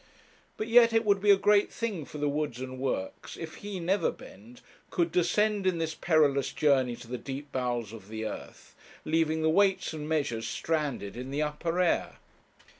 But yet it would be a great thing for the Woods and Works if he, Neverbend, could descend in this perilous journey to the deep bowels of the earth, leaving the Weights and Measures stranded in the upper air.